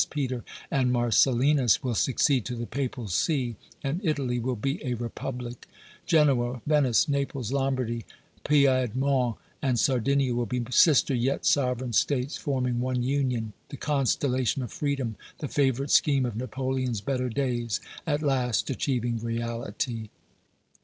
Peter and Marcellinus, will succeed to the Papal See, and Italy will be a republic; Genoa, Venice, Naples, Lombardy, Piedmont and Sardinia will be sister yet sovereign states, forming one union the constellation of freedom, the favorite scheme of Napoleon's better days at last achieving reality.